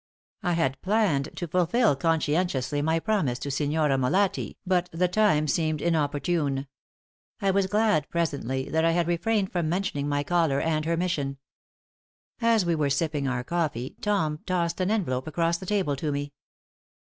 I had planned to fulfill conscientiously my promise to Signorina Molatti, but the time seemed inopportune. I was glad, presently, that I had refrained from mentioning my caller and her mission. As we were sipping our coffee Tom tossed an envelope across the table to me.